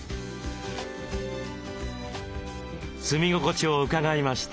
住み心地を伺いました。